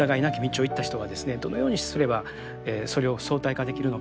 どのようにすればそれを相対化できるのかとかですね